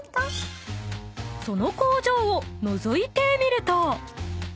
［その工場をのぞいてみると］